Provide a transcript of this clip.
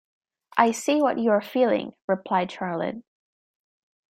“I see what you are feeling,” replied Charlotte.